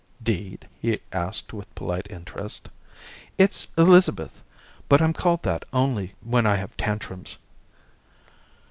"'Deed?" he asked with polite interest. "It's Elizabeth, but I'm called that only when I have tantrums."